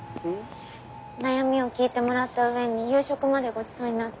悩みを聞いてもらった上に夕食までごちそうになって。